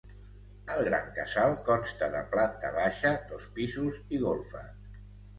El gran casal consta de planta baixa, dos pisos i golfes.